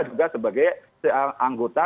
juga sebagai anggota